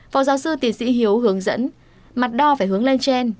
phó giáo sư tiến sĩ hiếu hướng dẫn mặt đo phải hướng lên trên